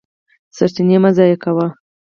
سرچینې مه ضایع کوه.